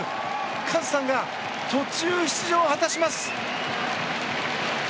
カズさんが途中出場を果たします。